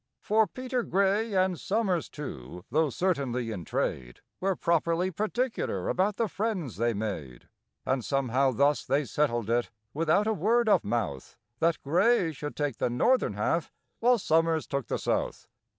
For PETER GRAY, and SOMERS too, though certainly in trade, Were properly particular about the friends they made; And somehow thus they settled it without a word of mouth— That GRAY should take the northern half, while SOMERS took the south.